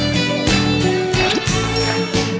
คุณหมอ